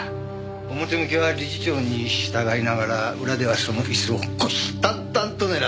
表向きは理事長に従いながら裏ではその椅子を虎視眈々と狙ってる。